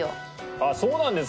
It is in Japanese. あそうなんですか？